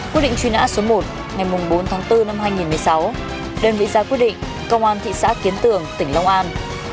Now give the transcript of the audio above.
quyết định truy nã số một ngày bốn tháng bốn năm hai nghìn một mươi sáu đơn vị ra quyết định công an thị xã kiến tường tỉnh long an